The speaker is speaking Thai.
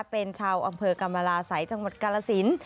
เป็นชาวอำเภอกรรมราศัยจังหวัดกาลสิน